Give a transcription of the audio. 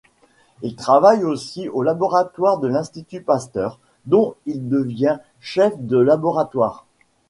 Il travaille aussi au laboratoire de l'Institut Pasteur dont il devient chef de laboratoire.